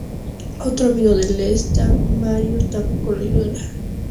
Otro amigo de Lestat, Marius, tampoco lo ayudará.